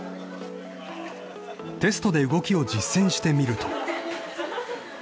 ［テストで動きを実践してみると］